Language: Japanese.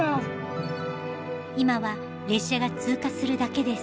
今は列車が通過するだけです。